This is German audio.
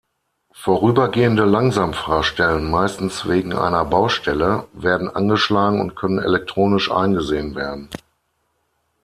Vorübergehende Langsamfahrstellen, meistens wegen einer Baustelle, werden angeschlagen und können elektronisch eingesehen werden.